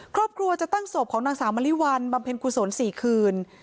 ครอบครัวจะตั้งศพของนางสาวมริวัลบำเพ็ญกุศล๔คืน